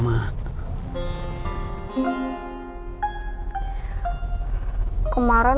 masih ada kok dia edwin